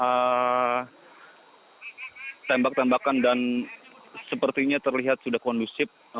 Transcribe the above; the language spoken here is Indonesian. ada tembak tembakan dan sepertinya terlihat sudah kondusif